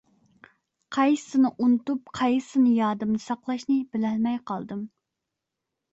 قايسىسىنى ئۇنتۇپ، قايسىسىنى يادىمدا ساقلاشنى بىلەلمەي قالدىم.